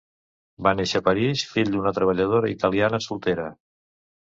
Va néixer a París, fill d'una treballadora italiana soltera.